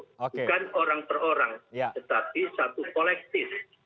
bukan orang per orang tetapi satu kolektif